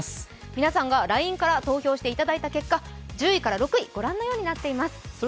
皆さんがＬＩＮＥから投票していただいた結果１０位から６位、御覧のようになっています。